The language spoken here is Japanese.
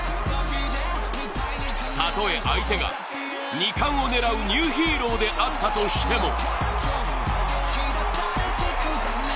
たとえ相手が、２冠を狙うニューヒーローであったとしても。